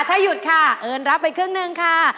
ถ้าหยุดค่ะเอิญรับไปครึ่งหนึ่งค่ะ